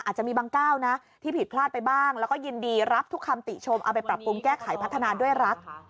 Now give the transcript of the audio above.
อาจจะมีบางก้าวนะที่ผิดพลาดไปบ้างแล้วก็ยินดีรับทุกคำติชมเอาไปปรับปรุงแก้ไขพัฒนาด้วยรัก